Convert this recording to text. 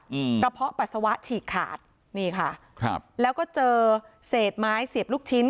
อืมกระเพาะปัสสาวะฉีกขาดนี่ค่ะครับแล้วก็เจอเศษไม้เสียบลูกชิ้น